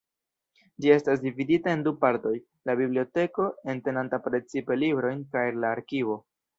Ĝi estas dividita en du partoj: la biblioteko, entenanta precipe librojn, kaj la arkivo.